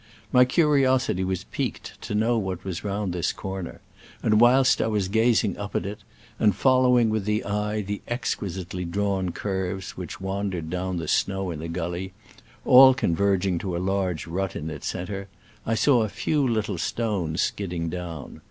My curiosity was piqued to know what was round this corner, and whilst I was gazing up at it, and following with the eye the exquisitely drawn curves which wandered down the snow in the gully, all converging to a large rut in its centre, I saw a few little stones skidding down.